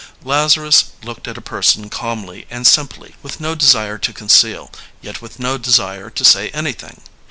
Lazarus looked at a person calmly and simply, with no desire to conceal, yet with no desire to say anything.